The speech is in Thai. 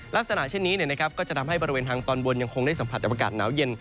ลักษณะเช่นนี้ก็จะทำให้บริเวณทางตอนบนยังคงได้สัมผัสอากาศหนาวเย็น